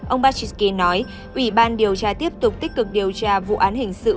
ông batshki nói ủy ban điều tra tiếp tục tích cực điều tra vụ án hình sự